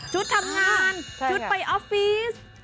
ทำงานชุดไปออฟฟิศ